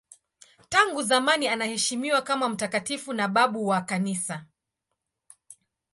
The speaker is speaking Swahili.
Tangu zamani anaheshimiwa kama mtakatifu na babu wa Kanisa.